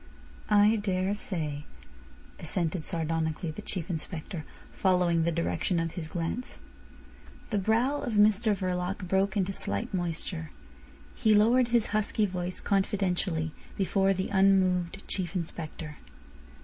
"I daresay," assented sardonically the Chief Inspector, following the direction of his glance. The brow of Mr Verloc broke into slight moisture. He lowered his husky voice confidentially before the unmoved Chief Inspector.